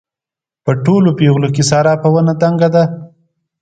په ټولو پېغلو کې ساره په ونه دنګه ده.